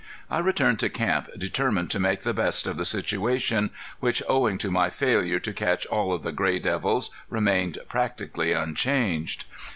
I returned to camp determined to make the best of the situation, which owing to my failure to catch all of the gray devils, remained practically unchanged.